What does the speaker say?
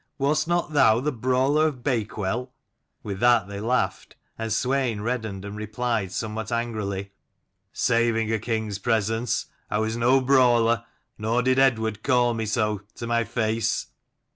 Wast not thou the brawler of Bakewell?" With that they laughed and Swein reddened, and replied somewhat angrily, "Saving a king's presence, I was no brawler, nor did Eadward call me so, to my face."